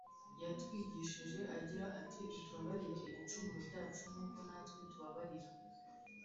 yatwigishije agira ati utubabarire ibicumuro byacu, nk’uko natwe tubabarira